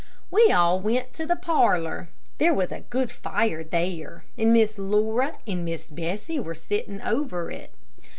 We all went into the parlor. There was a good fire there, and Miss Laura and Miss Bessie were sitting over it.